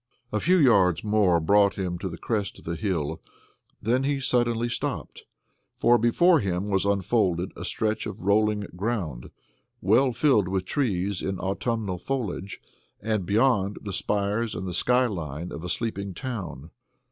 A few yards more brought him to the crest of the hill; then he suddenly stopped, for before him was unfolded a stretch of rolling ground, well filled with trees in autumnal foliage, and beyond, the spires and the sky line of a sleeping town.